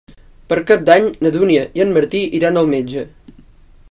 Per Cap d'Any na Dúnia i en Martí iran al metge.